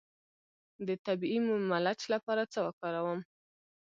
د طبیعي ملچ لپاره څه وکاروم؟